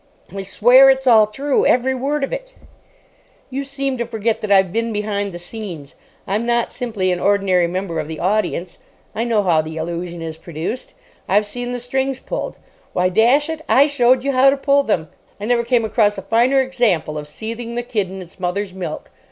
"I swear it's all true. Every word of it." "You seem to forget that I've been behind the scenes. I'm not simply an ordinary member of the audience. I know how the illusion is produced. I've seen the strings pulled. Why, dash it, I showed you how to pull them. I never came across a finer example of seething the kid in its mother's milk.